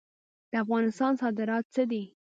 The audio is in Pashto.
د افغانستان صادرات څه دي؟